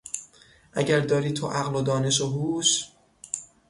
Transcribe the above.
اگر داری تو عقل و دانش و هوش...